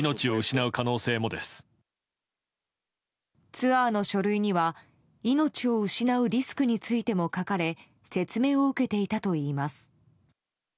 ツアーの書類には命を失うリスクについても書かれ説明を受けていたといいます。